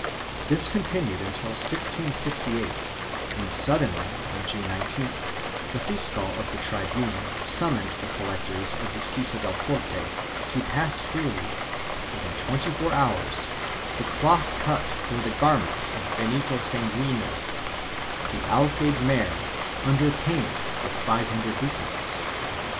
This continued until 1668, when suddenly, on June 19th, the fiscal of the tribunal summoned the collectors of the sisa del corte to pass freely, within twenty four hours, the cloth cut for the garments of Benito Sanguino, the alcalde mayor, under pain of five hundred ducats.